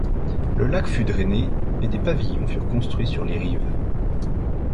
Le lac fut drainé et des pavillons furent construits sur les rives.